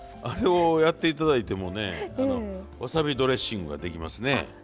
あれをやって頂いてもねわさびドレッシングができますね。